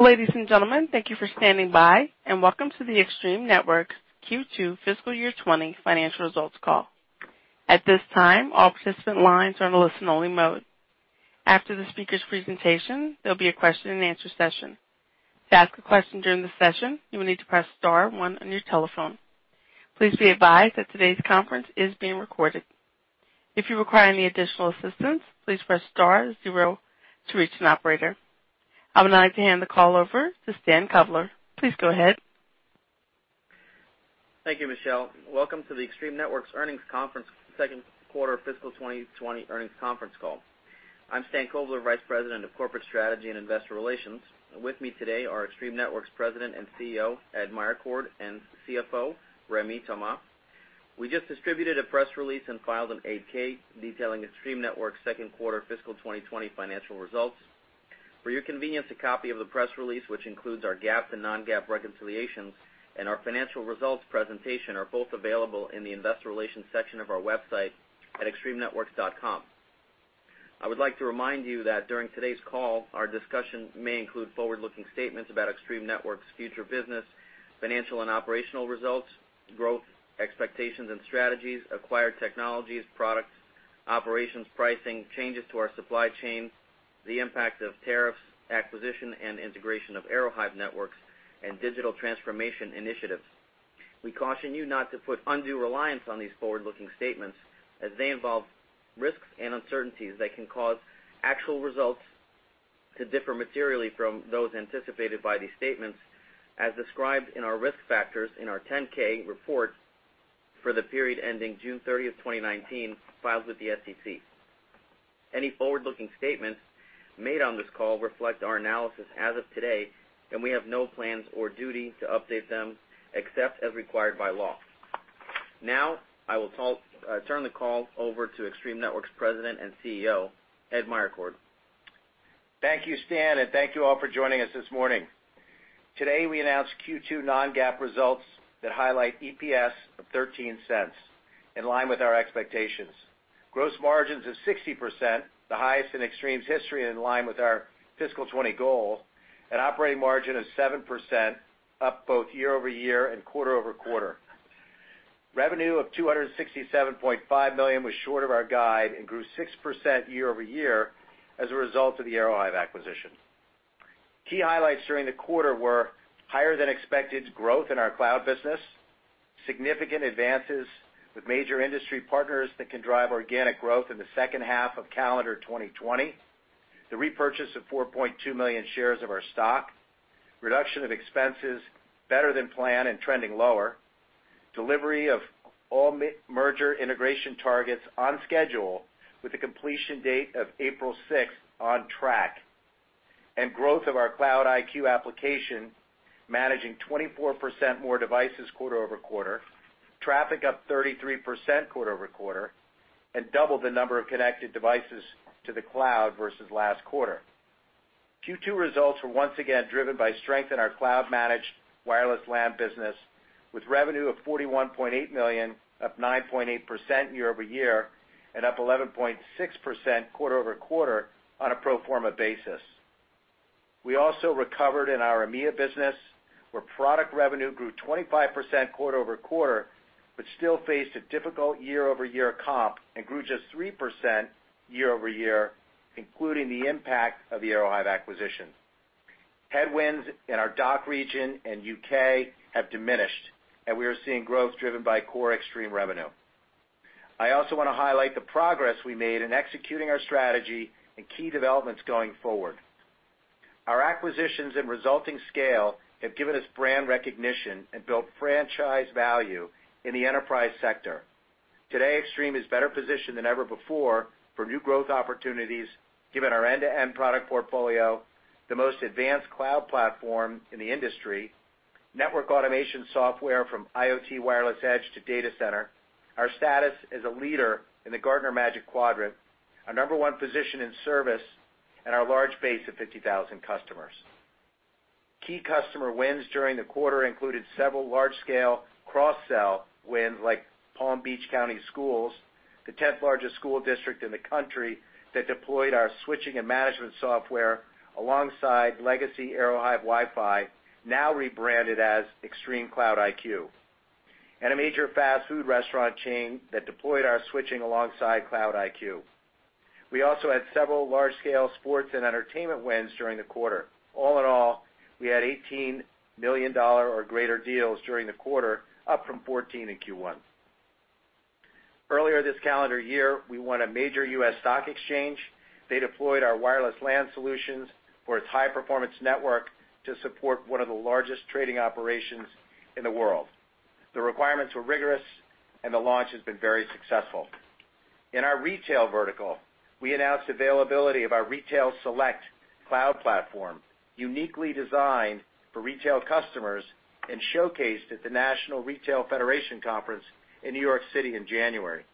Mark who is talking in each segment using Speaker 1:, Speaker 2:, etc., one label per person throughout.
Speaker 1: Ladies and gentlemen, thank you for standing by and welcome to the Extreme Networks Q2 Fiscal Year 2020 financial results call. At this time, all participant lines are on a listen-only mode. After the speakers' presentation, there'll be a question and answer session. To ask a question during the session, you will need to press star one on your telephone. Please be advised that today's conference is being recorded. If you require any additional assistance, please press star zero to reach an operator. I would like to hand the call over to Stan Kovler. Please go ahead.
Speaker 2: Thank you, Michelle. Welcome to the Extreme Networks earnings conference, second quarter of fiscal 2020 earnings conference call. I'm Stan Kovler, Vice President of Corporate Strategy and Investor Relations. With me today are Extreme Networks President and CEO, Ed Meyercord, and CFO, Rémi Thomas. We just distributed a press release and filed an 8-K detailing Extreme Networks' second quarter fiscal 2020 financial results. For your convenience, a copy of the press release, which includes our GAAP and Non-GAAP reconciliations and our financial results presentation, are both available in the investor relations section of our website at extremenetworks.com. I would like to remind you that during today's call, our discussion may include forward-looking statements about Extreme Networks' future business, financial and operational results, growth expectations and strategies, acquired technologies, products, operations pricing, changes to our supply chains, the impact of tariffs, acquisition, and integration of Aerohive Networks, and digital transformation initiatives. We caution you not to put undue reliance on these forward-looking statements as they involve risks and uncertainties that can cause actual results to differ materially from those anticipated by these statements, as described in our risk factors in our 10-K report for the period ending June 30th, 2019, filed with the SEC. Any forward-looking statements made on this call reflect our analysis as of today, and we have no plans or duty to update them except as required by law. Now, I will turn the call over to Extreme Networks President and CEO, Ed Meyercord.
Speaker 3: Thank you, Stan. Thank you all for joining us this morning. Today, we announced Q2 Non-GAAP results that highlight EPS of $0.13, in line with our expectations. Gross margins of 60%, the highest in Extreme Networks history, and in line with our fiscal 2020 goal, an operating margin of 7%, up both year-over-year and quarter-over-quarter. Revenue of $267.5 million was short of our guide and grew 6% year-over-year as a result of the Aerohive acquisition. Key highlights during the quarter were higher than expected growth in our cloud business, significant advances with major industry partners that can drive organic growth in the second half of calendar 2020, the repurchase of $4.2 million shares of our stock, reduction of expenses better than planned and trending lower, delivery of all merger integration targets on schedule with a completion date of April 6th on track, and growth of our Cloud IQ application managing 24% more devices quarter-over-quarter, traffic up 33% quarter-over-quarter, and double the number of connected devices to the cloud versus last quarter. Q2 results were once again driven by strength in our cloud-managed wireless LAN business, with revenue of $41.8 million, up 9.8% year-over-year, and up 11.6% quarter-over-quarter on a pro forma basis. We also recovered in our EMEA business, where product revenue grew 25% quarter-over-quarter, but still faced a difficult year-over-year comp and grew just 3% year-over-year, including the impact of the Aerohive acquisition. Headwinds in our DACH region and U.K. have diminished, and we are seeing growth driven by core Extreme revenue. I also want to highlight the progress we made in executing our strategy and key developments going forward. Our acquisitions and resulting scale have given us brand recognition and built franchise value in the enterprise sector. Today, Extreme is better positioned than ever before for new growth opportunities given our end-to-end product portfolio, the most advanced cloud platform in the industry, network automation software from IoT wireless edge to data center, our status as a leader in the Gartner Magic Quadrant, our number one position in service, and our large base of 50,000 customers. Key customer wins during the quarter included several large-scale cross-sell wins like Palm Beach County Schools, the 10th largest school district in the country that deployed our switching and management software alongside legacy Aerohive Wi-Fi, now rebranded as ExtremeCloud IQ, and a major fast food restaurant chain that deployed our switching alongside Cloud IQ. We also had several large-scale sports and entertainment wins during the quarter. All in all, we had $18 million or greater deals during the quarter, up from 14 in Q1. Earlier this calendar year, we won a major U.S. stock exchange. They deployed our wireless LAN solutions for its high-performance network to support one of the largest trading operations in the world. The requirements were rigorous, and the launch has been very successful. In our retail vertical, we announced availability of our Retail Select cloud platform, uniquely designed for retail customers and showcased at the National Retail Federation Conference in New York City in January.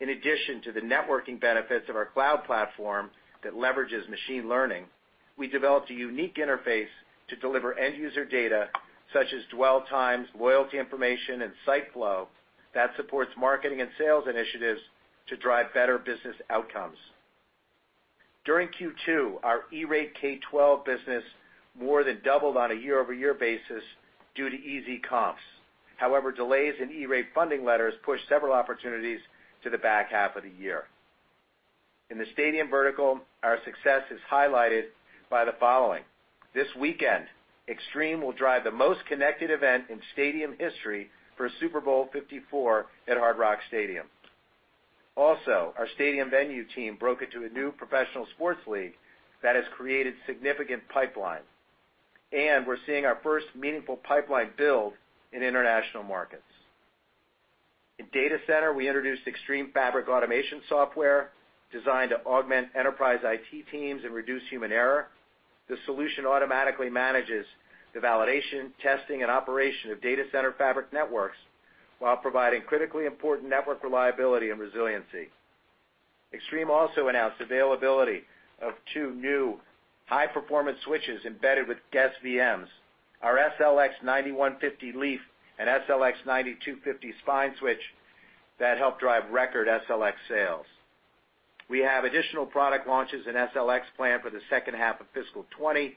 Speaker 3: In addition to the networking benefits of our cloud platform that leverages machine learning, we developed a unique interface to deliver end-user data such as dwell times, loyalty information, and site flow that supports marketing and sales initiatives to drive better business outcomes. During Q2, our E-Rate K-12 business more than doubled on a year-over-year basis due to easy comps. However, delays in E-Rate funding letters pushed several opportunities to the back half of the year. In the stadium vertical, our success is highlighted by the following. This weekend, Extreme will drive the most connected event in stadium history for Super Bowl LIV at Hard Rock Stadium. Our stadium venue team broke into a new professional sports league that has created significant pipeline, and we're seeing our first meaningful pipeline build in international markets. In data center, we introduced Extreme Fabric Automation Software, designed to augment enterprise IT teams and reduce human error. This solution automatically manages the validation, testing, and operation of data center fabric networks while providing critically important network reliability and resiliency. Extreme announced availability of two new high-performance switches embedded with guest VMs. Our SLX 9150 leaf and SLX 9250 spine switch that help drive record SLX sales. We have additional product launches in SLX planned for the second half of fiscal 2020,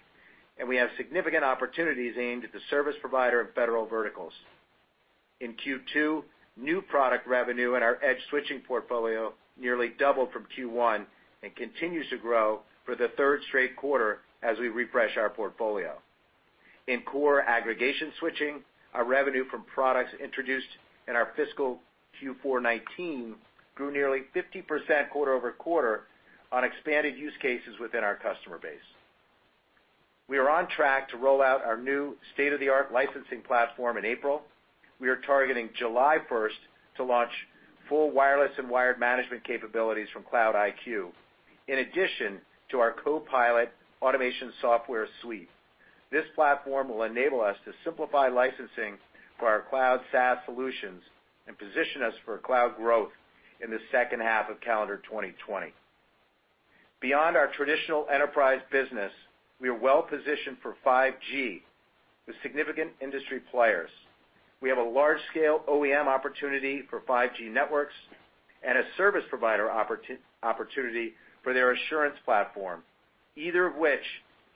Speaker 3: and we have significant opportunities aimed at the service provider of federal verticals. In Q2, new product revenue in our edge switching portfolio nearly doubled from Q1 and continues to grow for the third straight quarter as we refresh our portfolio. In core aggregation switching, our revenue from products introduced in our fiscal Q4 2019 grew nearly 50% quarter-over-quarter on expanded use cases within our customer base. We are on track to roll out our new state-of-the-art licensing platform in April. We are targeting July 1st to launch full wireless and wired management capabilities from Cloud IQ. In addition to our CoPilot automation software suite, this platform will enable us to simplify licensing for our cloud SaaS solutions and position us for cloud growth in the second half of calendar 2020. Beyond our traditional enterprise business, we are well-positioned for 5G with significant industry players. We have a large-scale OEM opportunity for 5G networks and a service provider opportunity for their assurance platform, either of which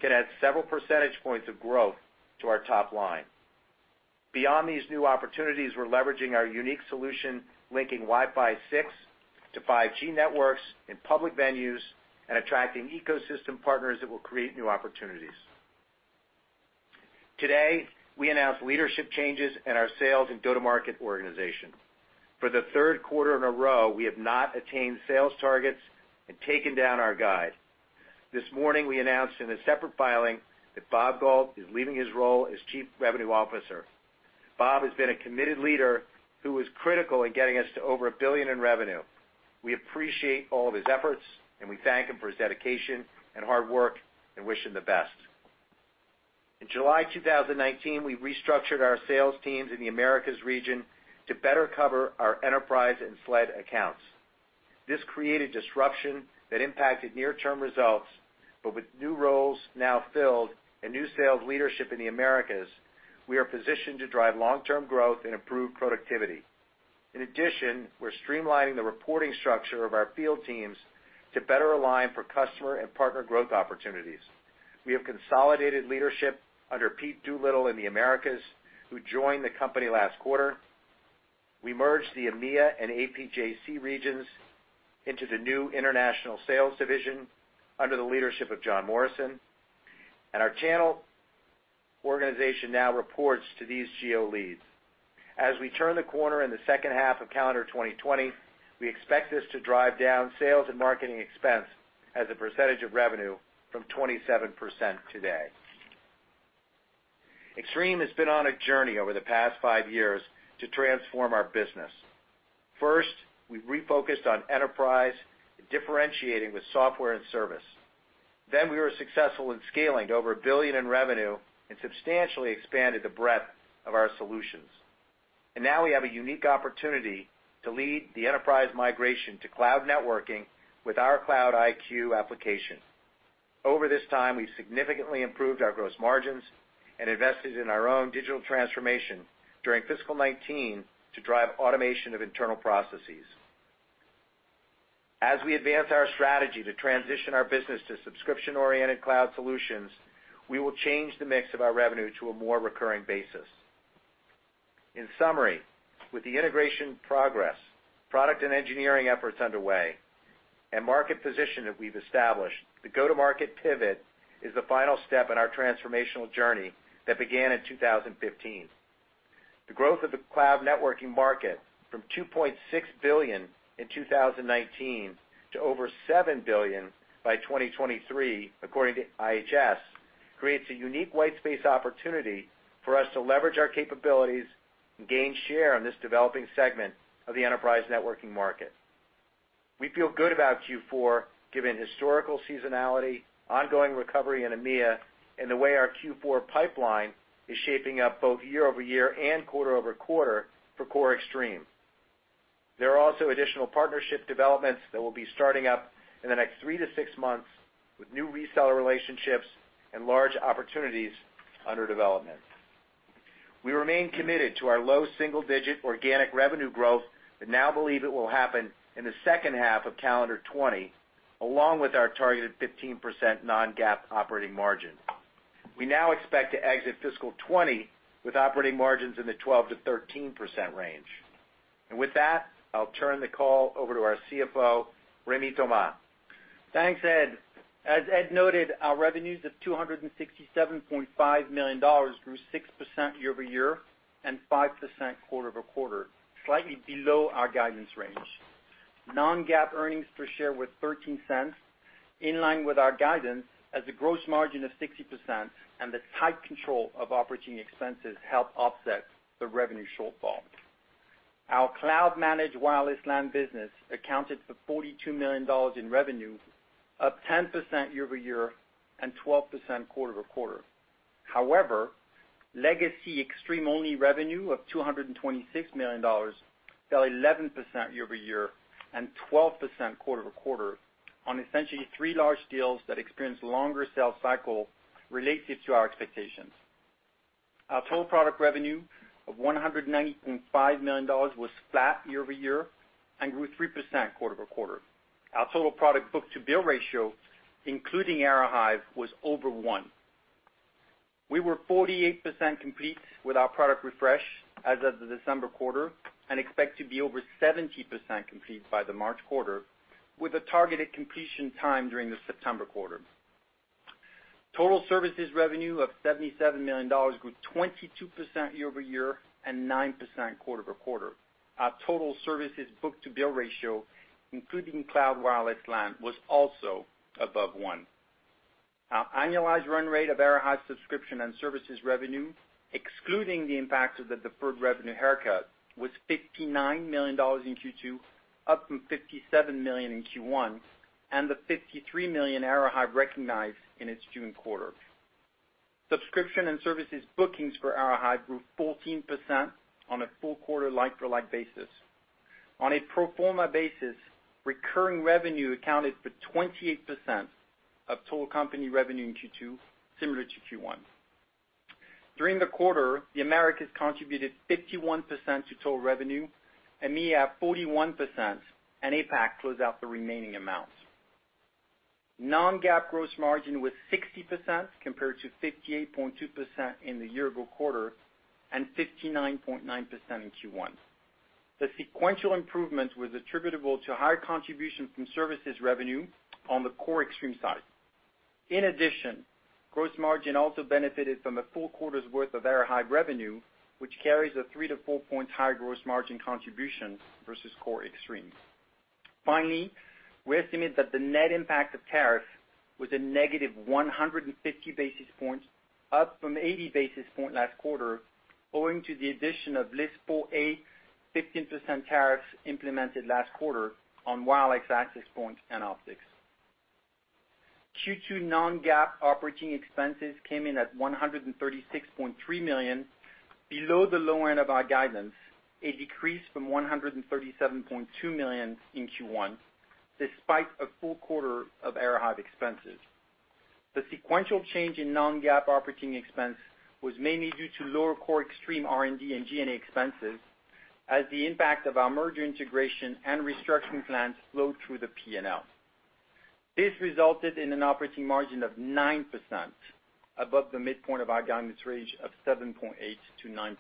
Speaker 3: can add several percentage points of growth to our top line. Beyond these new opportunities, we're leveraging our unique solution, linking Wi-Fi 6-5G networks in public venues and attracting ecosystem partners that will create new opportunities. Today, we announced leadership changes in our sales and go-to-market organization. For the third quarter in a row, we have not attained sales targets and taken down our guide. This morning, we announced in a separate filing that Bob Gault is leaving his role as Chief Revenue Officer. Bob has been a committed leader who was critical in getting us to over $1 billion in revenue. We appreciate all of his efforts, and we thank him for his dedication and hard work and wish him the best. In July 2019, we restructured our sales teams in the Americas region to better cover our enterprise and SLED accounts. This created disruption that impacted near-term results, but with new roles now filled and new sales leadership in the Americas, we are positioned to drive long-term growth and improve productivity. In addition, we're streamlining the reporting structure of our field teams to better align for customer and partner growth opportunities. We have consolidated leadership under Pete Doolittle in the Americas, who joined the company last quarter. We merged the EMEA and APJC regions into the new international sales division under the leadership of John Morrison, and our channel organization now reports to these geo leads. As we turn the corner in the second half of calendar 2020, we expect this to drive down sales and marketing expense as a percentage of revenue from 27% today. Extreme Networks has been on a journey over the past five years to transform our business. First, we refocused on enterprise and differentiating with software and service. We were successful in scaling to over $1 billion in revenue and substantially expanded the breadth of our solutions. We have a unique opportunity to lead the enterprise migration to cloud networking with our ExtremeCloud IQ application. Over this time, we've significantly improved our gross margins and invested in our own digital transformation during fiscal 2019 to drive automation of internal processes. As we advance our strategy to transition our business to subscription-oriented cloud solutions, we will change the mix of our revenue to a more recurring basis. In summary, with the integration progress, product and engineering efforts underway, and market position that we've established, the go-to-market pivot is the final step in our transformational journey that began in 2015. The growth of the cloud networking market from $2.6 billion in 2019 to over $7 billion by 2023, according to IHS, creates a unique white space opportunity for us to leverage our capabilities and gain share in this developing segment of the enterprise networking market. We feel good about Q4 given historical seasonality, ongoing recovery in EMEA, and the way our Q4 pipeline is shaping up both year-over-year and quarter-over-quarter for core Extreme. There are also additional partnership developments that will be starting up in the next three to six months with new reseller relationships and large opportunities under development. We remain committed to our low single-digit organic revenue growth, but now believe it will happen in the second half of calendar 2020, along with our targeted 15% Non-GAAP operating margin. We now expect to exit fiscal 2020 with operating margins in the 12%-13% range. With that, I'll turn the call over to our CFO, Rémi Thomas.
Speaker 4: Thanks, Ed. As Ed noted, our revenues of $267.5 million grew 6% year-over-year and 5% quarter-over-quarter, slightly below our guidance range. Non-GAAP earnings per share was $0.13, in line with our guidance as a gross margin of 60% and the tight control of operating expenses helped offset the revenue shortfall. Our cloud-managed wireless LAN business accounted for $42 million in revenue, up 10% year-over-year and 12% quarter-over-quarter. However, legacy Extreme-only revenue of $226 million fell 11% year-over-year and 12% quarter-over-quarter on essentially three large deals that experienced longer sales cycle relative to our expectations. Our total product revenue of $190.5 million was flat year-over-year and grew 3% quarter-over-quarter. Our total product book-to-bill ratio, including Aerohive, was over one. We were 48% complete with our product refresh as of the December quarter and expect to be over 70% complete by the March quarter with a targeted completion time during the September quarter. Total services revenue of $77 million grew 22% year-over-year and 9% quarter-over-quarter. Our total services book-to-bill ratio, including cloud wireless LAN, was also above one. Our annualized run rate of Aerohive subscription and services revenue, excluding the impact of the deferred revenue haircut, was $59 million in Q2, up from $57 million in Q1, and the $53 million Aerohive recognized in its June quarter. Subscription and services bookings for Aerohive grew 14% on a full quarter like-for-like basis. On a pro forma basis, recurring revenue accounted for 28% of total company revenue in Q2, similar to Q1. During the quarter, the Americas contributed 51% to total revenue, EMEA 41%, and APAC closed out the remaining amount. Non-GAAP gross margin was 60%, compared to 58.2% in the year-ago quarter and 59.9% in Q1. The sequential improvement was attributable to higher contribution from services revenue on the core Extreme side. In addition, gross margin also benefited from a full quarter's worth of Aerohive revenue, which carries a three to four points higher gross margin contribution versus core Extreme. Finally, we estimate that the net impact of tariffs was a negative 150 basis points, up from 80 basis points last quarter, owing to the addition of List 4A 15% tariffs implemented last quarter on wireless access points and optics. Q2 Non-GAAP operating expenses came in at $136.3 million, below the low end of our guidance, a decrease from $137.2 million in Q1 despite a full quarter of Aerohive expenses. The sequential change in Non-GAAP operating expense was mainly due to lower core Extreme R&D and G&A expenses as the impact of our merger integration and restructuring plans flowed through the P&L. This resulted in an operating margin of 9%, above the midpoint of our guidance range of 7.8%-9.9%.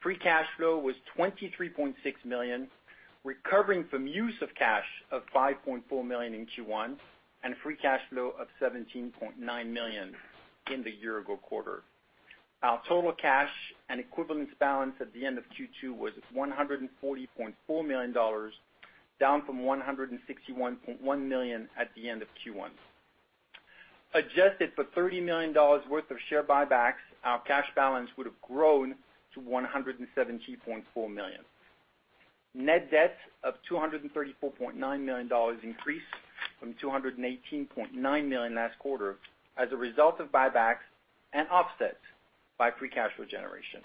Speaker 4: Free cash flow was $23.6 million, recovering from use of cash of $5.4 million in Q1 and free cash flow of $17.9 million in the year-ago quarter. Our total cash and equivalence balance at the end of Q2 was $140.4 million, down from $161.1 million at the end of Q1. Adjusted for $30 million worth of share buybacks, our cash balance would have grown to $170.4 million. Net debt of $234.9 million increased from $218.9 million last quarter as a result of buybacks and offset by free cash flow generation.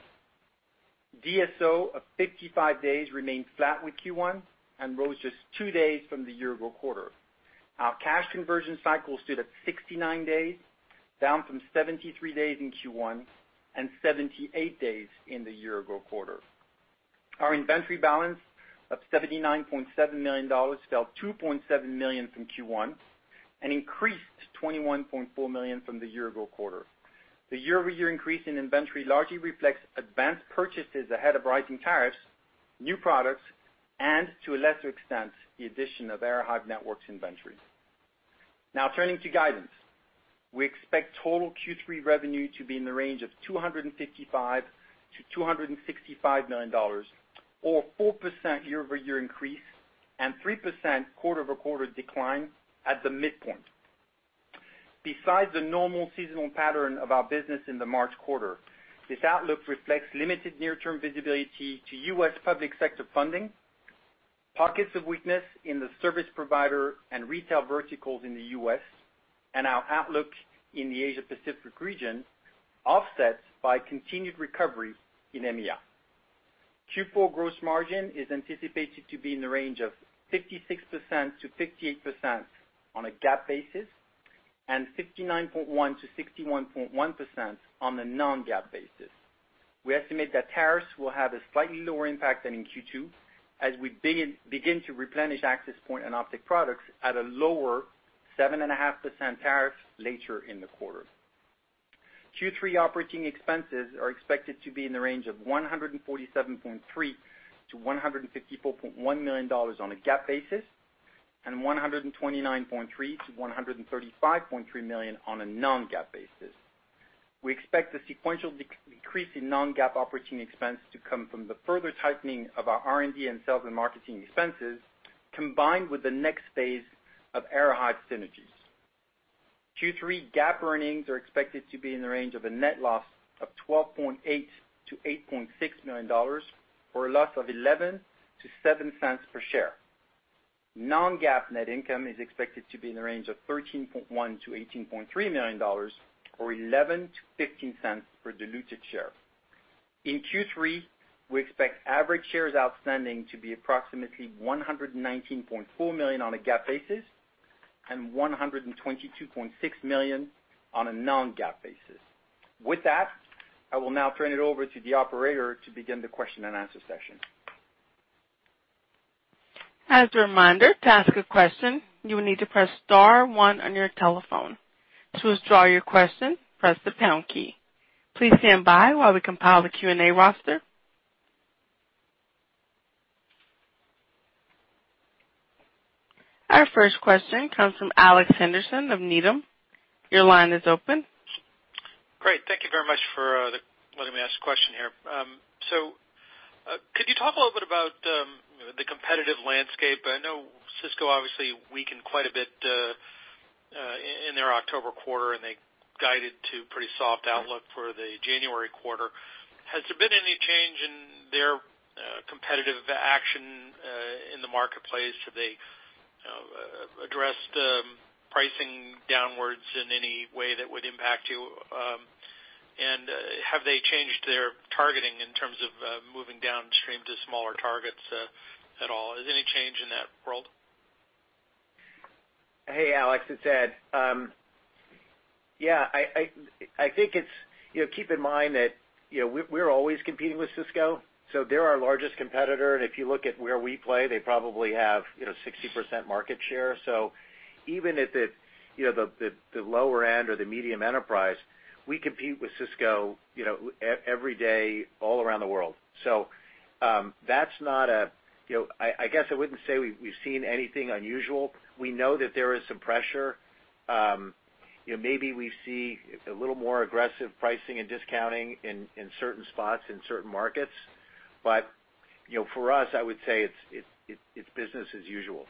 Speaker 4: DSO of 55 days remained flat with Q1 and rose just two days from the year-ago quarter. Our cash conversion cycle stood at 69 days, down from 73 days in Q1 and 78 days in the year-ago quarter. Our inventory balance of $79.7 million fell $2.7 million from Q1 and increased $21.4 million from the year-ago quarter. The year-over-year increase in inventory largely reflects advanced purchases ahead of rising tariffs, new products, and to a lesser extent, the addition of Aerohive Networks inventory. Now turning to guidance. We expect total Q3 revenue to be in the range of $255 million-$265 million, or 4% year-over-year increase and 3% quarter-over-quarter decline at the midpoint. Besides the normal seasonal pattern of our business in the March quarter, this outlook reflects limited near-term visibility to U.S. public sector funding, pockets of weakness in the service provider and retail verticals in the U.S., and our outlook in the Asia Pacific region, offset by continued recovery in EMEA. Q4 gross margin is anticipated to be in the range of 56%-58% on a GAAP basis, and 59.1%-61.1% on a Non-GAAP basis. We estimate that tariffs will have a slightly lower impact than in Q2, as we begin to replenish access point and optic products at a lower 7.5% tariff later in the quarter. Q3 operating expenses are expected to be in the range of $147.3 million-$154.1 million on a GAAP basis, and $129.3 million-$135.3 million on a Non-GAAP basis. We expect the sequential decrease in Non-GAAP operating expense to come from the further tightening of our R&D and sales and marketing expenses, combined with the next phase of Aerohive synergies. Q3 GAAP earnings are expected to be in the range of a net loss of $12.8 million-$8.6 million, or a loss of $0.11-$0.07 per share. Non-GAAP net income is expected to be in the range of $13.1 million-$18.3 million, or $0.11-$0.15 per diluted share. In Q3, we expect average shares outstanding to be approximately 119.4 million on a GAAP basis and 122.6 million on a Non-GAAP basis. With that, I will now turn it over to the operator to begin the question and answer session.
Speaker 1: As a reminder, to ask a question, you will need to press star one on your telephone. To withdraw your question, press the pound key. Please stand by while we compile the Q&A roster. Our first question comes from Alex Henderson of Needham. Your line is open.
Speaker 5: Great. Thank you very much for letting me ask a question here. Could you talk a little bit about the competitive landscape? I know Cisco obviously weakened quite a bit in their October quarter, and they guided to pretty soft outlook for the January quarter. Has there been any change in their competitive action in the marketplace? Have they addressed pricing downwards in any way that would impact you? Have they changed their targeting in terms of moving downstream to smaller targets at all? Is there any change in that world?
Speaker 4: Hey, Alex, it's Ed. Yeah, keep in mind that we're always competing with Cisco, they're our largest competitor. If you look at where we play, they probably have 60% market share. Even at the lower end or the medium enterprise, we compete with Cisco every day all around the world. I guess I wouldn't say we've seen anything unusual. We know that there is some pressure. Maybe we see a little more aggressive pricing and discounting in certain spots, in certain markets. For us, I would say it's business as usual.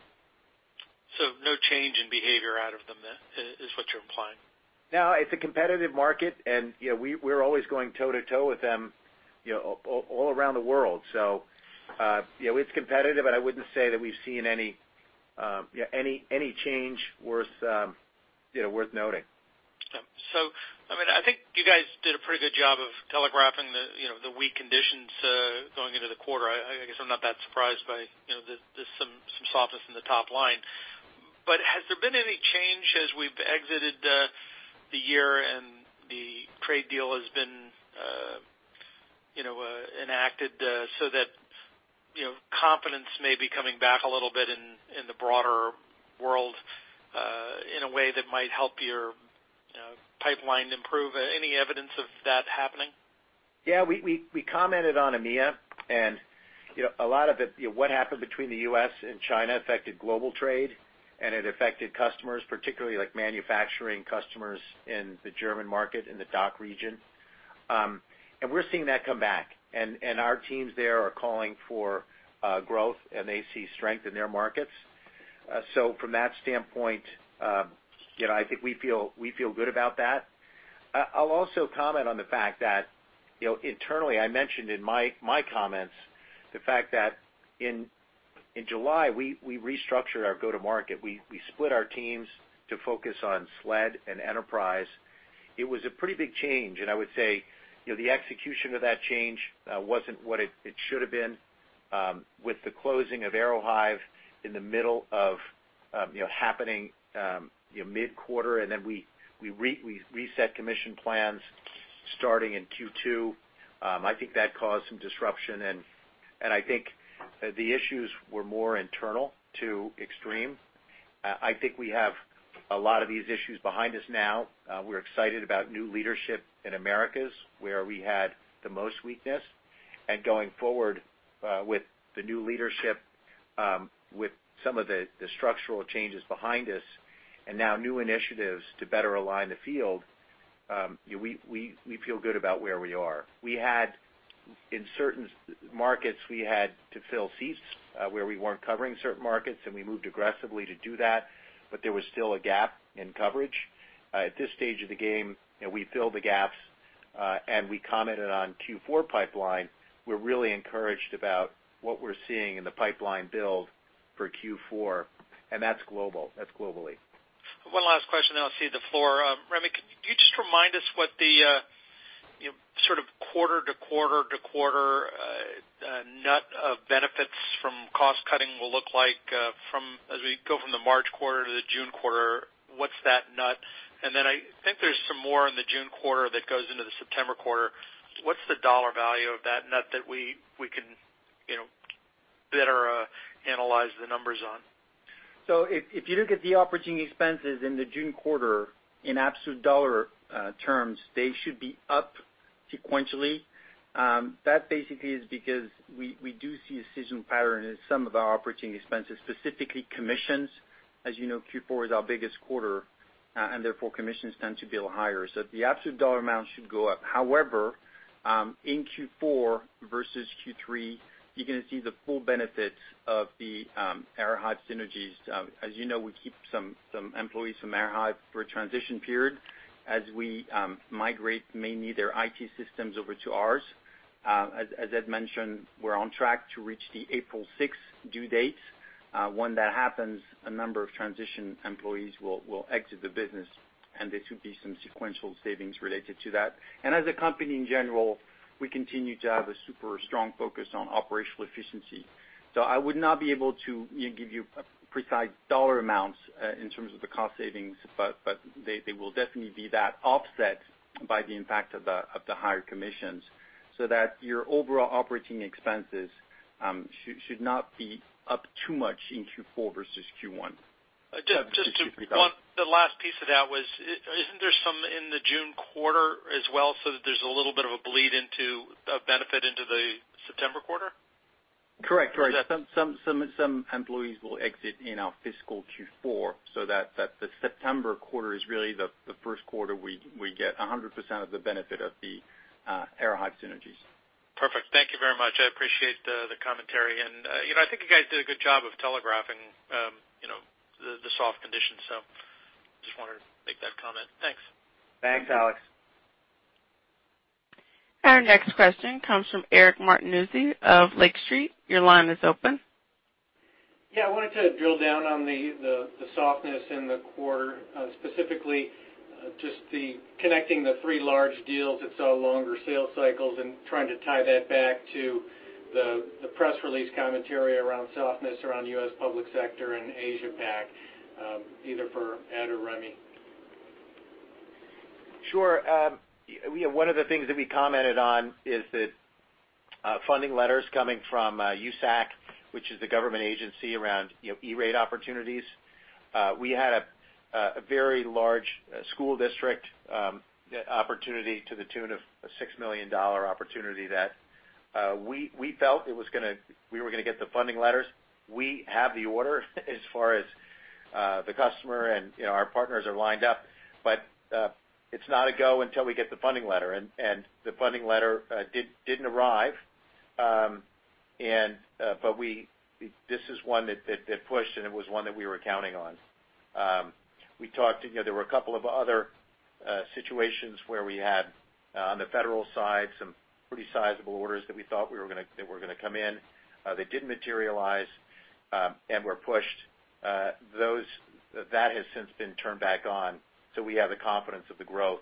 Speaker 5: No change in behavior out of them then, is what you're implying?
Speaker 3: No, it's a competitive market, and we're always going toe-to-toe with them all around the world. It's competitive, but I wouldn't say that we've seen any change worth noting.
Speaker 5: I think you guys did a pretty good job of telegraphing the weak conditions going into the quarter. I guess I'm not that surprised by some softness in the top line. Has there been any change as we've exited the year and the trade deal has been enacted so that confidence may be coming back a little bit in the broader world in a way that might help your pipeline improve? Any evidence of that happening?
Speaker 3: Yeah, we commented on EMEA and a lot of it, what happened between the U.S. and China affected global trade, and it affected customers, particularly like manufacturing customers in the German market, in the DACH region. We're seeing that come back. Our teams there are calling for growth, and they see strength in their markets. From that standpoint, I think we feel good about that. I'll also comment on the fact that internally, I mentioned in my comments the fact that in July, we restructured our go-to-market. We split our teams to focus on SLED and enterprise. It was a pretty big change, and I would say the execution of that change wasn't what it should have been. With the closing of Aerohive in the middle of happening mid-quarter, and then we reset commission plans starting in Q2. I think that caused some disruption, and I think the issues were more internal to Extreme. I think we have a lot of these issues behind us now. We're excited about new leadership in Americas, where we had the most weakness. Going forward with the new leadership, with some of the structural changes behind us and now new initiatives to better align the field, we feel good about where we are. In certain markets, we had to fill seats where we weren't covering certain markets, and we moved aggressively to do that, but there was still a gap in coverage. At this stage of the game, we filled the gaps, and we commented on Q4 pipeline. We're really encouraged about what we're seeing in the pipeline build for Q4, and that's globally.
Speaker 5: One last question, then I'll cede the floor. Rémi, could you just remind us what the sort of quarter to quarter to quarter net of benefits from cost-cutting will look like as we go from the March quarter to the June quarter? What's that net? I think there's some more in the June quarter that goes into the September quarter. What's the dollar value of that net that we can better analyze the numbers on?
Speaker 4: If you look at the operating expenses in the June quarter, in absolute dollar terms, they should be up sequentially. That basically is because we do see a seasonal pattern in some of our operating expenses, specifically commissions. As you know, Q4 is our biggest quarter, and therefore commissions tend to be a little higher. The absolute dollar amount should go up. However, in Q4 versus Q3, you're going to see the full benefits of the Aerohive synergies. As you know, we keep some employees from Aerohive for a transition period as we migrate mainly their IT systems over to ours. As Ed mentioned, we're on track to reach the April 6 due dates. When that happens, a number of transition employees will exit the business, and there should be some sequential savings related to that. As a company in general, we continue to have a super strong focus on operational efficiency. I would not be able to give you precise dollar amounts in terms of the cost savings, but they will definitely be that offset by the impact of the higher commissions, so that your overall operating expenses should not be up too much in Q4 versus Q1.
Speaker 5: The last piece of that was, isn't there some in the June quarter as well, so that there's a little bit of a bleed of benefit into the September quarter?
Speaker 4: Correct.
Speaker 5: Is that-
Speaker 4: Some employees will exit in our fiscal Q4, so the September quarter is really the first quarter we get 100% of the benefit of the Aerohive synergies.
Speaker 5: Perfect. Thank you very much. I appreciate the commentary. I think you guys did a good job of telegraphing the soft conditions. Just wanted to make that comment. Thanks.
Speaker 3: Thanks, Alex.
Speaker 1: Our next question comes from Eric Martinuzzi of Lake Street. Your line is open.
Speaker 6: Yeah, I wanted to drill down on the softness in the quarter. Specifically, just the connecting the three large deals that saw longer sales cycles and trying to tie that back to the press release commentary around softness around U.S. public sector and Asia Pac, either for Ed or Rémi.
Speaker 3: Sure. One of the things that we commented on is that funding letters coming from USAC, which is the government agency around E-Rate opportunities. We had a very large school district opportunity to the tune of a $6 million opportunity that we felt we were going to get the funding letters. We have the order as far as the customer, and our partners are lined up. It's not a go until we get the funding letter, and the funding letter didn't arrive. This is one that pushed, and it was one that we were counting on. There were a couple of other situations where we had, on the federal side, some pretty sizable orders that we thought that were going to come in, that didn't materialize, and were pushed. That has since been turned back on, we have the confidence of the growth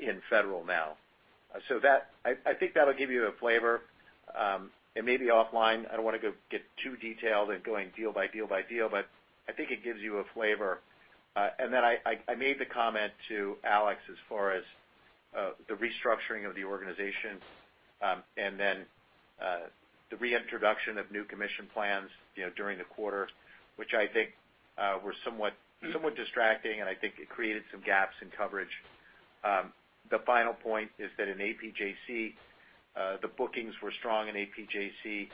Speaker 3: in federal now. I think that'll give you a flavor. Maybe offline, I don't want to get too detailed in going deal by deal by deal, but I think it gives you a flavor. Then I made the comment to Alex as far as the restructuring of the organization, then the reintroduction of new commission plans during the quarter, which I think were somewhat distracting, and I think it created some gaps in coverage. The final point is that in APJC, the bookings were strong in APJC.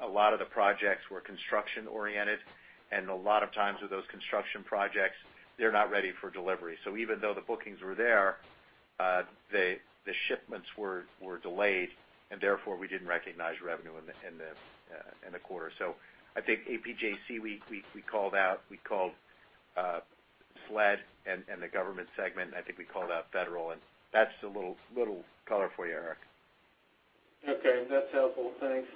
Speaker 3: A lot of the projects were construction-oriented, and a lot of times with those construction projects, they're not ready for delivery. Even though the bookings were there, the shipments were delayed, and therefore we didn't recognize revenue in the quarter. I think APJC, we called out. We called SLED and the government segment, I think we called out federal, and that's the little color for you, Eric.
Speaker 6: Okay, that's helpful. Thanks.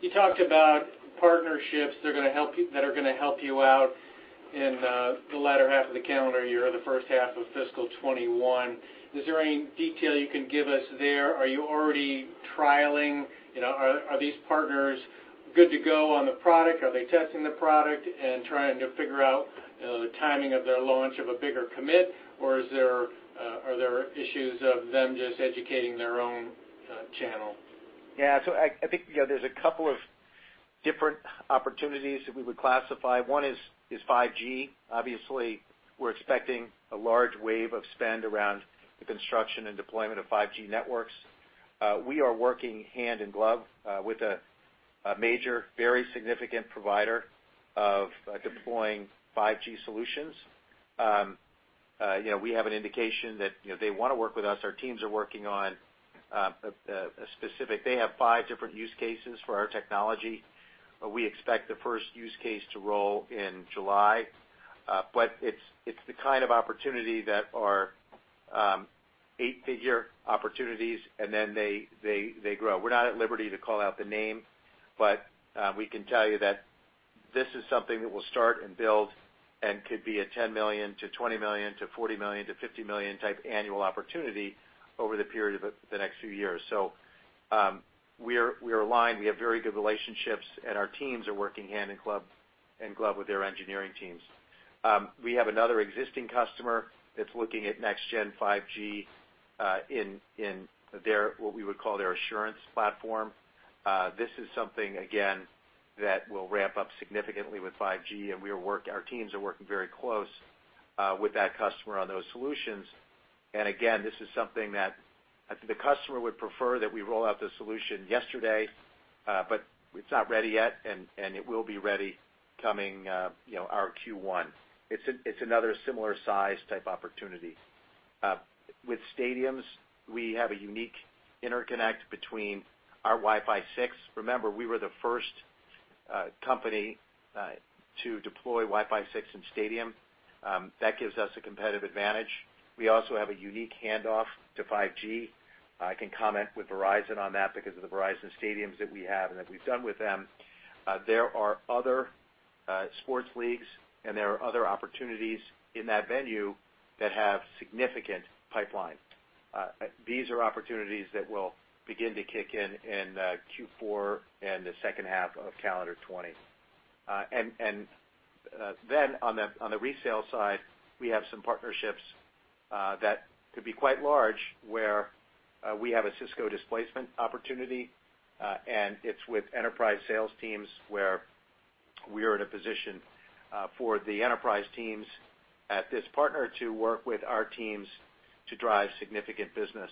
Speaker 6: You talked about partnerships that are gonna help you out in the latter half of the calendar year or the first half of fiscal 2021. Is there any detail you can give us there? Are you already trialing? Are these partners good to go on the product? Are they testing the product and trying to figure out the timing of their launch of a bigger commit, or are there issues of them just educating their own channel?
Speaker 3: Yeah. I think there's a couple of different opportunities that we would classify. One is 5G. Obviously, we're expecting a large wave of spend around the construction and deployment of 5G networks. We are working hand in glove with a major, very significant provider of deploying 5G solutions. We have an indication that they want to work with us. Our teams are working on a. They have five different use cases for our technology. We expect the first use case to roll in July. It's the kind of opportunity that our eight-figure opportunities, and then they grow. We're not at liberty to call out the name, but we can tell you that this is something that will start and build and could be a $10 million-$20 million-$40 million-$50 million type annual opportunity over the period of the next few years. We are aligned. We have very good relationships, and our teams are working hand in glove with their engineering teams. We have another existing customer that's looking at next-gen 5G in what we would call their assurance platform. This is something, again, that will ramp up significantly with 5G, our teams are working very close with that customer on those solutions. Again, this is something that the customer would prefer that we roll out the solution yesterday, it's not ready yet, it will be ready coming our Q1. It's another similar size type opportunity. With stadiums, we have a unique interconnect between our Wi-Fi 6. Remember, we were the first company to deploy Wi-Fi 6 in-stadium. That gives us a competitive advantage. We also have a unique handoff to 5G. I can comment with Verizon on that because of the Verizon stadiums that we have and that we've done with them. There are other sports leagues, and there are other opportunities in that venue that have significant pipeline. These are opportunities that will begin to kick in in Q4 and the second half of calendar 2020. On the resale side, we have some partnerships that could be quite large, where we have a Cisco displacement opportunity, and it's with enterprise sales teams, where we are in a position for the enterprise teams at this partner to work with our teams to drive significant business.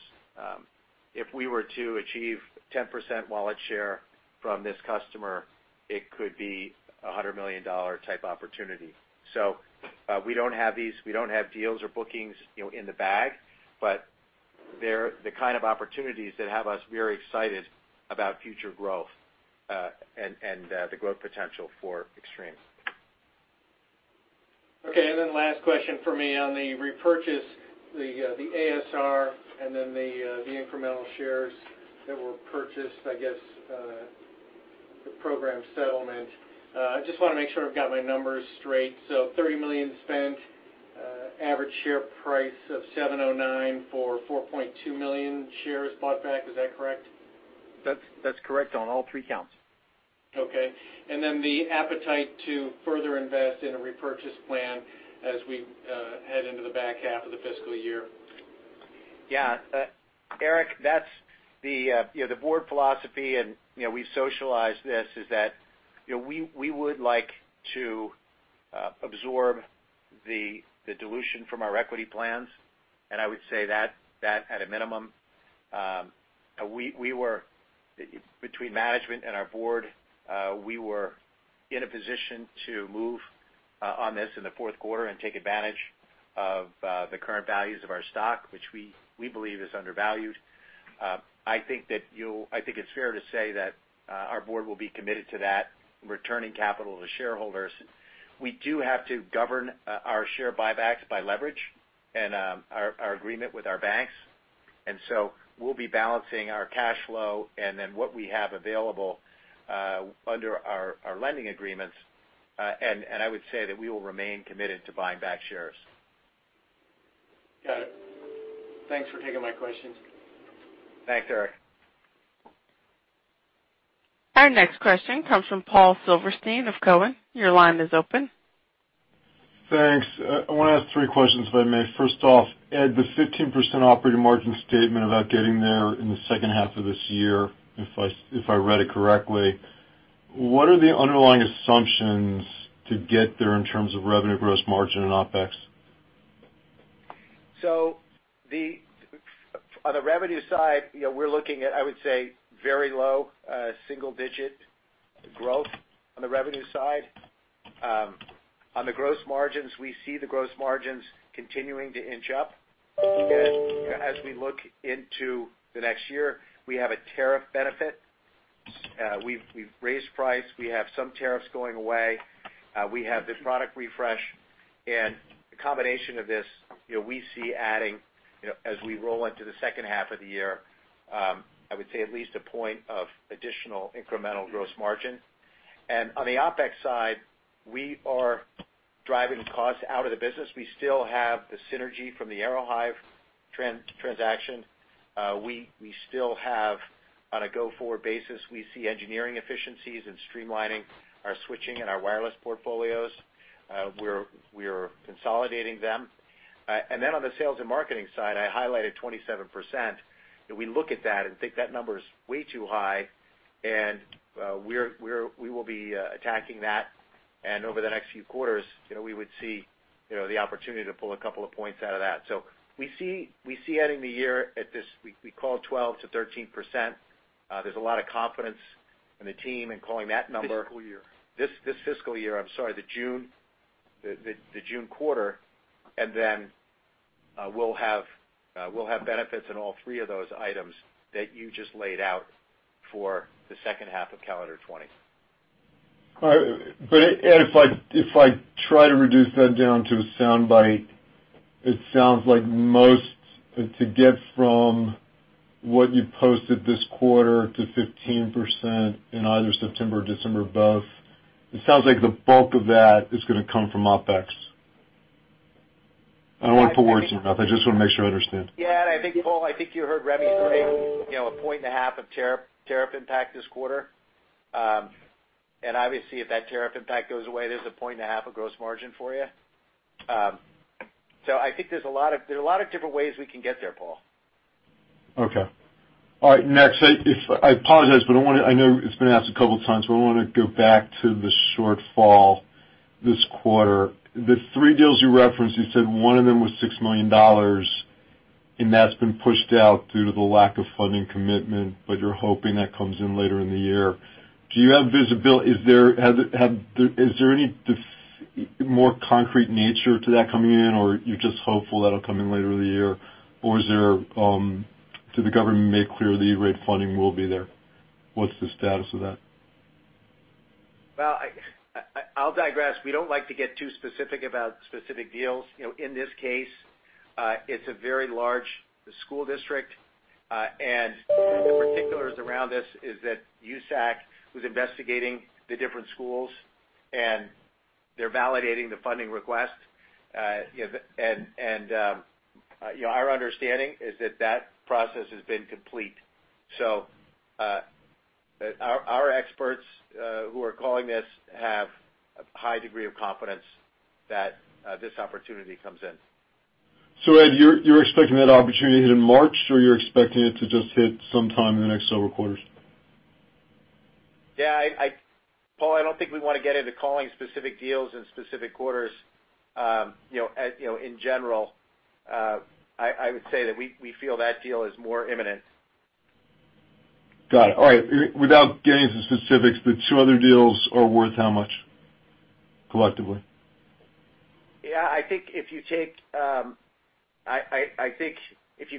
Speaker 3: If we were to achieve 10% wallet share from this customer, it could be $100 million type opportunity. We don't have deals or bookings in the bag, but they're the kind of opportunities that have us very excited about future growth and the growth potential for Extreme.
Speaker 6: Last question from me. On the repurchase, the ASR, the incremental shares that were purchased, the program settlement. I just want to make sure I've got my numbers straight. $30 million spent, average share price of $7.09 for 4.2 million shares bought back. Is that correct?
Speaker 3: That's correct on all three counts.
Speaker 6: Okay, the appetite to further invest in a repurchase plan as we head into the back half of the fiscal year.
Speaker 3: Yeah. Eric, that's the board philosophy, and we've socialized this, is that we would like to absorb the dilution from our equity plans, and I would say that at a minimum. Between management and our board, we were in a position to move on this in the fourth quarter and take advantage of the current values of our stock, which we believe is undervalued. I think it's fair to say that our board will be committed to that, returning capital to shareholders. We do have to govern our share buybacks by leverage and our agreement with our banks. We'll be balancing our cash flow and then what we have available under our lending agreements. I would say that we will remain committed to buying back shares.
Speaker 6: Got it. Thanks for taking my questions.
Speaker 3: Thanks, Eric.
Speaker 1: Our next question comes from Paul Silverstein of Cowen. Your line is open.
Speaker 7: Thanks. I want to ask three questions, if I may. First off, Ed, the 15% operating margin statement about getting there in the second half of this year, if I read it correctly. What are the underlying assumptions to get there in terms of revenue gross margin and OpEx?
Speaker 3: On the revenue side, we're looking at, I would say, very low single-digit growth on the revenue side. On the gross margins, we see the gross margins continuing to inch up. As we look into the next year, we have a tariff benefit. We've raised price. We have some tariffs going away. We have the product refresh. The combination of this, we see adding, as we roll into the second half of the year, I would say at least a point of additional incremental gross margin. On the OpEx side, we are driving costs out of the business. We still have the synergy from the Aerohive transaction. We still have, on a go-forward basis, we see engineering efficiencies and streamlining our switching and our wireless portfolios. We are consolidating them. On the sales and marketing side, I highlighted 27%. We look at that and think that number is way too high, and we will be attacking that. Over the next few quarters we would see the opportunity to pull a couple of points out of that. We see ending the year at this, we call it 12%-13%. There's a lot of confidence in the team in calling that number.
Speaker 6: Fiscal year.
Speaker 3: This fiscal year, I'm sorry, the June quarter, and then we'll have benefits in all three of those items that you just laid out for the second half of calendar 2020.
Speaker 7: If I try to reduce that down to a soundbite, it sounds like most to get from what you posted this quarter to 15% in either September or December both, it sounds like the bulk of that is going to come from OpEx. I don't want to put words in your mouth. I just want to make sure I understand.
Speaker 3: Yeah. I think, Paul, I think you heard Rémi say a point and a half of tariff impact this quarter. Obviously, if that tariff impact goes away, there's a point and a half of gross margin for you. I think there's a lot of different ways we can get there, Paul.
Speaker 7: Okay. All right. I apologize, I know it's been asked a couple of times, but I want to go back to the shortfall this quarter. The three deals you referenced, you said one of them was $6 million, and that's been pushed out due to the lack of funding commitment, but you're hoping that comes in later in the year. Do you have visibility? Is there any more concrete nature to that coming in, or you're just hopeful that'll come in later in the year? Did the government make clear the E-Rate funding will be there? What's the status of that?
Speaker 3: Well, I'll digress. We don't like to get too specific about specific deals. In this case, it's a very large school district, and the particulars around this is that USAC was investigating the different schools, and they're validating the funding request. Our understanding is that that process has been complete. Our experts who are calling this have a high degree of confidence that this opportunity comes in.
Speaker 7: Ed, you're expecting that opportunity to hit in March, or you're expecting it to just hit sometime in the next several quarters?
Speaker 3: Yeah. Paul, I don't think we want to get into calling specific deals in specific quarters. In general, I would say that we feel that deal is more imminent.
Speaker 7: Got it. All right. Without getting into specifics, the two other deals are worth how much collectively?
Speaker 3: Yeah, I think if you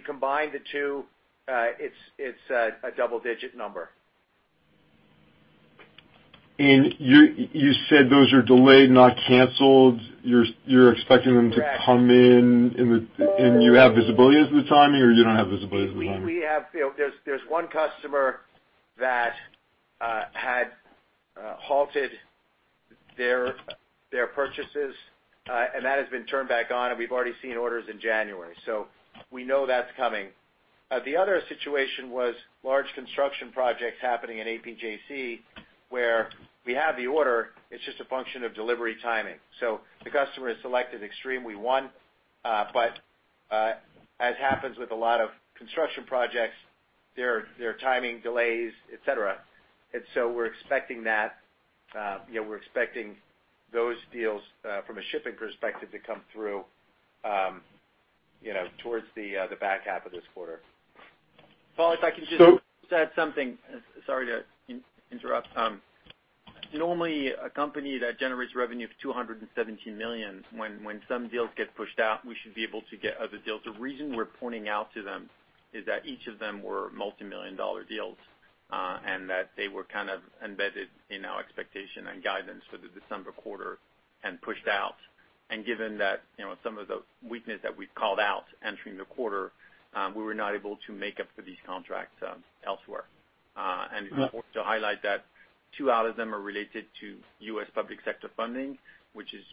Speaker 3: combine the two, it's a double-digit number.
Speaker 7: You said those are delayed, not canceled. You're expecting them-
Speaker 3: Correct
Speaker 7: to come in, and you have visibility as to the timing, or you don't have visibility as to timing?
Speaker 3: There's one customer that had halted their purchases, and that has been turned back on, and we've already seen orders in January. We know that's coming. The other situation was large construction projects happening in APJC, where we have the order. It's just a function of delivery timing. The customer has selected Extreme, we won. As happens with a lot of construction projects, there are timing delays, et cetera. We're expecting those deals, from a shipping perspective, to come through towards the back half of this quarter.
Speaker 4: Paul, if I can just add something. Sorry to interrupt. Normally, a company that generates revenue of $217 million, when some deals get pushed out, we should be able to get other deals. The reason we're pointing out to them is that each of them were multimillion-dollar deals, and that they were kind of embedded in our expectation and guidance for the December quarter and pushed out. Given that some of the weakness that we've called out entering the quarter, we were not able to make up for these contracts elsewhere. It's important to highlight that two out of them are related to U.S. public sector funding, which is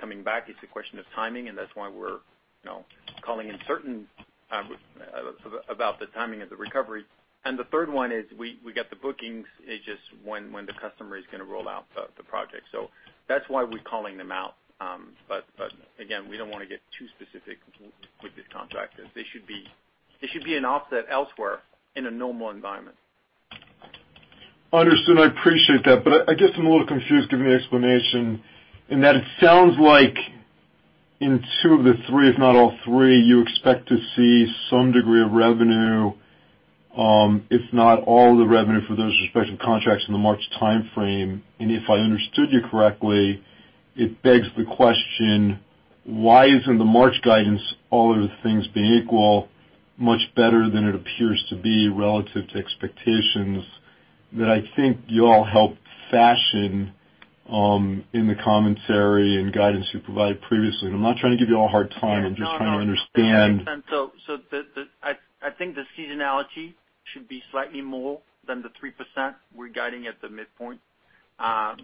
Speaker 4: coming back. It's a question of timing, and that's why we're calling uncertain about the timing of the recovery. The third one is we get the bookings, it's just when the customer is going to roll out the project. That's why we're calling them out. Again, we don't want to get too specific with these contractors. They should be an offset elsewhere in a normal environment.
Speaker 7: Understood. I appreciate that. I guess I'm a little confused given the explanation, in that it sounds like in two of the three, if not all three, you expect to see some degree of revenue, if not all of the revenue for those respective contracts in the March timeframe. If I understood you correctly, it begs the question, why isn't the March guidance, all other things being equal, much better than it appears to be relative to expectations that I think you all helped fashion in the commentary and guidance you provided previously? I'm not trying to give you all a hard time.
Speaker 4: Yeah, no.
Speaker 7: I'm just trying to understand.
Speaker 4: I think the seasonality should be slightly more than the 3% we're guiding at the midpoint.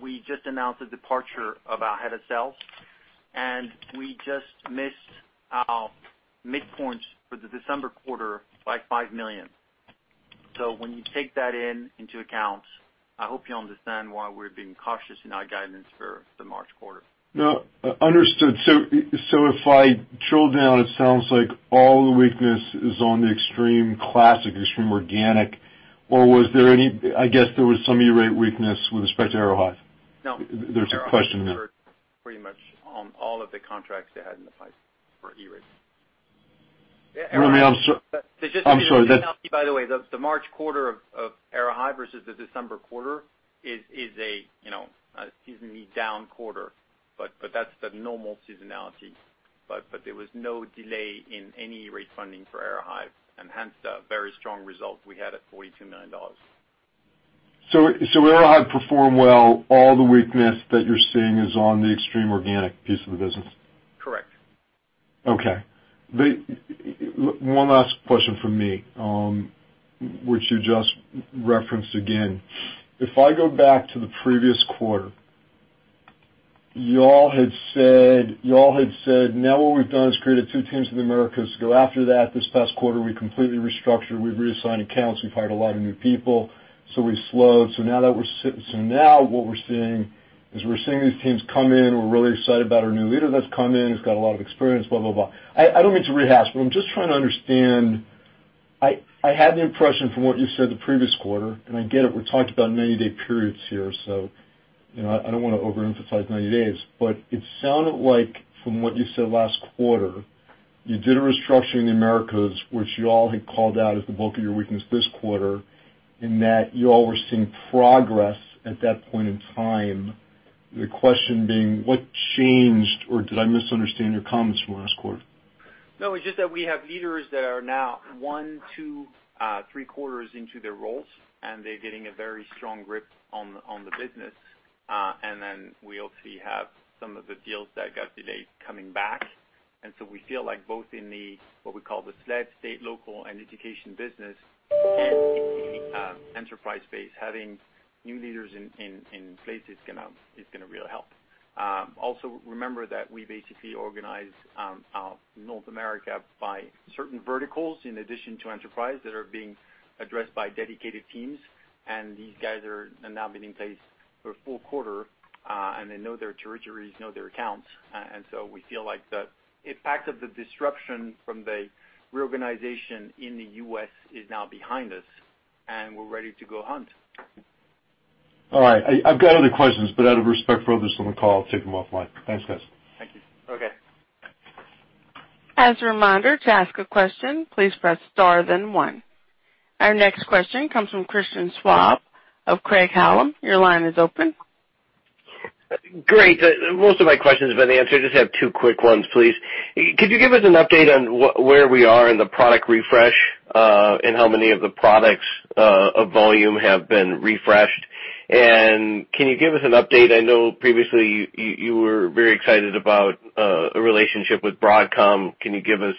Speaker 4: We just announced the departure of our head of sales. We just missed our midpoints for the December quarter by $5 million. When you take that into account, I hope you understand why we're being cautious in our guidance for the March quarter.
Speaker 7: No, understood. If I drill down, it sounds like all the weakness is on the Extreme classic, Extreme organic, or I guess there was some E-Rate weakness with respect to Aerohive.
Speaker 4: No.
Speaker 7: There's a question in there.
Speaker 4: Aerohive delivered pretty much on all of the contracts they had in the pipe for E-Rate.
Speaker 7: Rémi, I'm sorry.
Speaker 4: By the way, the March quarter of Aerohive versus the December quarter is a seasonally down quarter, that's the normal seasonality. There was no delay in E-Rate funding for Aerohive, and hence the very strong result we had at $42 million.
Speaker 7: Aerohive performed well. All the weakness that you're seeing is on the Extreme organic piece of the business.
Speaker 4: Correct.
Speaker 7: Okay. One last question from me, which you just referenced again. If I go back to the previous quarter, you all had said, "Now what we've done is created two teams in the Americas to go after that. This past quarter, we completely restructured. We've reassigned accounts. We've hired a lot of new people. We slowed. Now what we're seeing, is we're seeing these teams come in. We're really excited about our new leader that's come in. He's got a lot of experience," blah, blah. I don't mean to rehash, I'm just trying to understand. I had the impression from what you said the previous quarter, and I get it, we're talking about 90-day periods here, so I don't want to overemphasize 90 days, but it sounded like from what you said last quarter, you did a restructuring in the Americas, which you all had called out as the bulk of your weakness this quarter, in that you all were seeing progress at that point in time. The question being, what changed, or did I misunderstand your comments from last quarter?
Speaker 4: No, it's just that we have leaders that are now one, two, three quarters into their roles, and they're getting a very strong grip on the business. We also have some of the deals that got delayed coming back. We feel like both in the, what we call the SLED, state, local, and education business, and in the enterprise space, having new leaders in place is going to really help. Also, remember that we basically organize North America by certain verticals in addition to enterprise that are being addressed by dedicated teams, and these guys have now been in place for a full quarter, and they know their territories, know their accounts. We feel like the impact of the disruption from the reorganization in the U.S. is now behind us, and we're ready to go hunt.
Speaker 7: All right. I've got other questions, but out of respect for others on the call, I'll take them offline. Thanks, guys.
Speaker 4: Thank you.
Speaker 3: Okay.
Speaker 1: As a reminder, to ask a question, please press star then one. Our next question comes from Christian Schwab of Craig-Hallum. Your line is open.
Speaker 8: Great. Most of my questions have been answered. I just have two quick ones, please. Could you give us an update on where we are in the product refresh, and how many of the products of volume have been refreshed? Can you give us an update, I know previously you were very excited about a relationship with Broadcom. Can you give us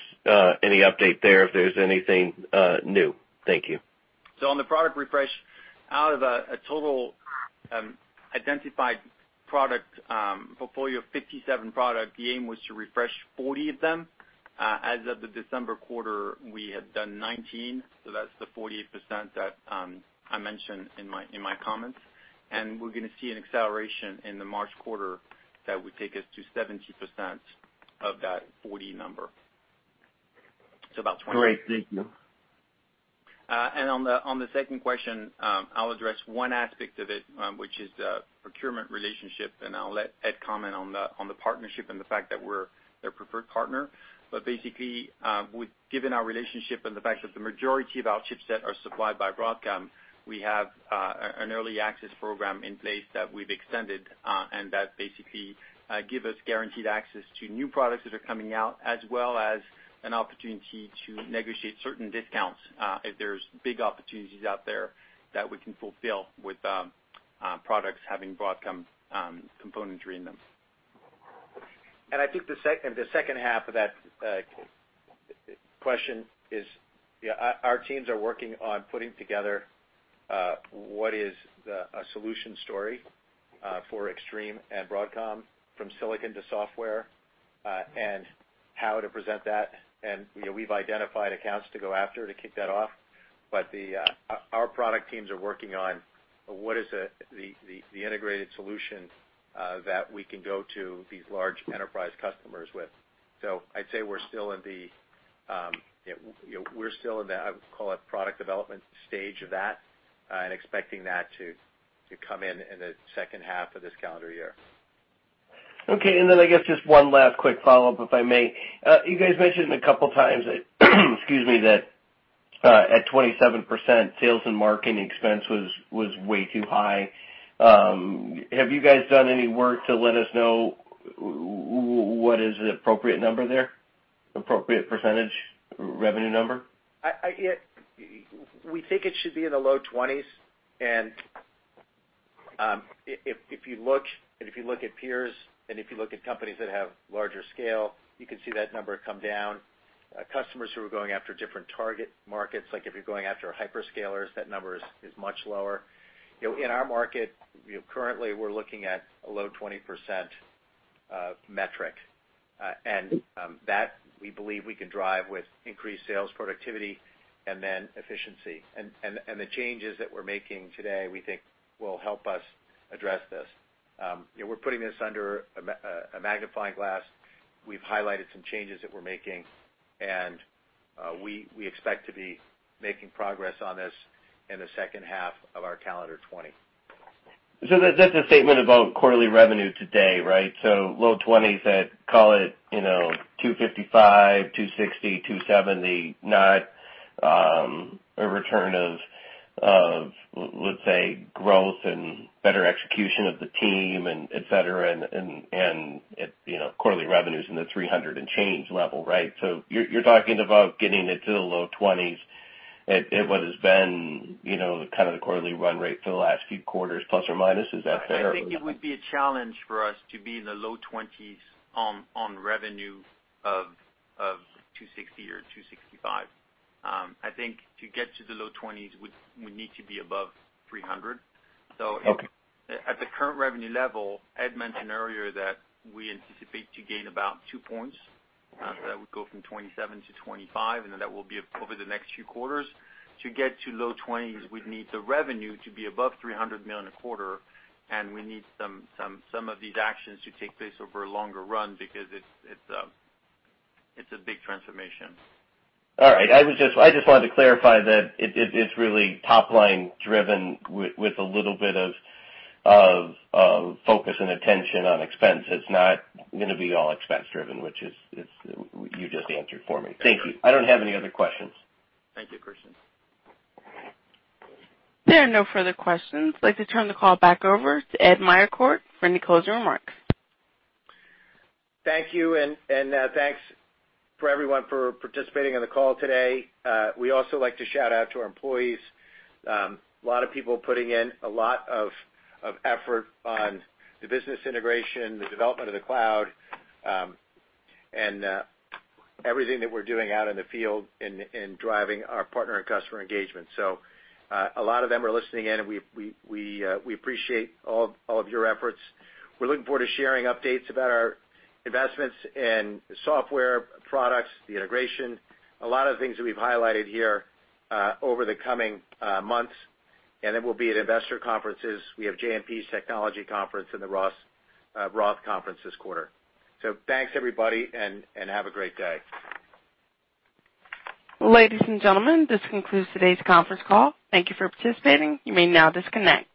Speaker 8: any update there if there's anything new? Thank you.
Speaker 4: On the product refresh, out of a total identified product portfolio of 57 products, the aim was to refresh 40 of them. As of the December quarter, we had done 19, so that's the 48% that I mentioned in my comments. We're going to see an acceleration in the March quarter that would take us to 70% of that 40 number.
Speaker 3: Great. Thank you.
Speaker 4: On the second question, I'll address one aspect of it, which is the procurement relationship, and I'll let Ed comment on the partnership and the fact that we're their preferred partner. Basically, given our relationship and the fact that the majority of our chipset are supplied by Broadcom, we have an early access program in place that we've extended, and that basically give us guaranteed access to new products that are coming out, as well as an opportunity to negotiate certain discounts, if there's big opportunities out there that we can fulfill with products having Broadcom componentry in them.
Speaker 3: I think the second half of that question is, our teams are working on putting together what is a solution story for Extreme and Broadcom, from silicon to software, and how to present that. We've identified accounts to go after to kick that off. Our product teams are working on what is the integrated solution that we can go to these large enterprise customers with. I'd say we're still in the, I would call it, product development stage of that, and expecting that to come in in the second half of this calendar year.
Speaker 8: I guess just one last quick follow-up, if I may. You guys mentioned a couple times, excuse me, that at 27%, sales and marketing expense was way too high. Have you guys done any work to let us know what is the appropriate number there? Appropriate percentage revenue number?
Speaker 3: We think it should be in the low 20s, and if you look at peers, and if you look at companies that have larger scale, you can see that number come down. Customers who are going after different target markets, like if you're going after hyperscalers, that number is much lower. In our market, currently we're looking at a low 20% metric. That, we believe we can drive with increased sales productivity and then efficiency. The changes that we're making today, we think will help us address this. We're putting this under a magnifying glass. We've highlighted some changes that we're making, and we expect to be making progress on this in the second half of our calendar 2020.
Speaker 8: That's a statement about quarterly revenue today, right? Low 20s at, call it, $255, $260, $270, not a return of, let's say, growth and better execution of the team, et cetera, and quarterly revenues in the $300 and change level, right? You're talking about getting it to the low 20s at what has been the kind of quarterly run rate for the last few quarters, plus or minus. Is that fair?
Speaker 3: I think it would be a challenge for us to be in the low 20s on revenue of $260 or $265. I think to get to the low 20s, we'd need to be above $300.
Speaker 8: Okay.
Speaker 3: At the current revenue level, Ed mentioned earlier that we anticipate to gain about two points.
Speaker 4: Okay. That would go from 27-25, and then that will be over the next few quarters. To get to low 20s, we'd need the revenue to be above $300 million a quarter, and we need some of these actions to take place over a longer run because it's a big transformation.
Speaker 8: All right. I just wanted to clarify that it's really top-line driven with a little bit of focus and attention on expense. It's not going to be all expense driven, which you just answered for me. Thank you. I don't have any other questions.
Speaker 3: Thank you, Christian.
Speaker 1: There are no further questions. I'd like to turn the call back over to Ed Meyercord for any closing remarks.
Speaker 3: Thank you, and thanks for everyone for participating on the call today. We also like to shout out to our employees. A lot of people putting in a lot of effort on the business integration, the development of the cloud, and everything that we're doing out in the field in driving our partner and customer engagement. A lot of them are listening in, and we appreciate all of your efforts. We're looking forward to sharing updates about our investments in software products, the integration, a lot of the things that we've highlighted here over the coming months. We'll be at investor conferences. We have J.P.'s Technology Conference and the Roth Conference this quarter. Thanks, everybody, and have a great day.
Speaker 1: Ladies and gentlemen, this concludes today's conference call. Thank you for participating. You may now disconnect.